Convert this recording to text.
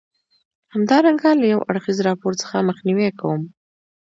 همدارنګه له یو اړخیز راپور څخه مخنیوی کوم.